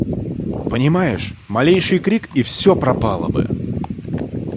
Понимаешь: малейший крик — и все пропало бы.